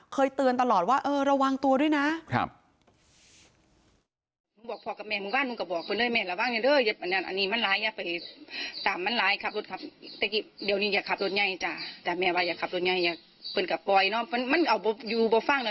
เคยเตือนตลอดว่าเออระวังตัวด้วยนะ